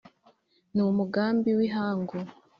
N‘umugambi w’ihangu